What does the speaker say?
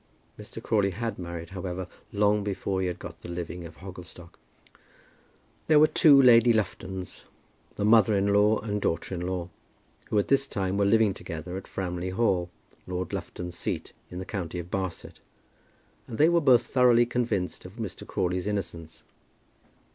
Mr. Crawley had married, however, long before he got the living of Hogglestock. There were two Lady Luftons, mother in law and daughter in law, who at this time were living together at Framley Hall, Lord Lufton's seat in the county of Barset, and they were both thoroughly convinced of Mr. Crawley's innocence.